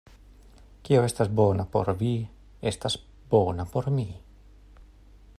Kio estas bona por vi, estas bona por mi.